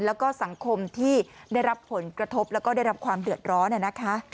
และสังคมที่ได้รับผลกระทบและได้รับความเดือดร้อน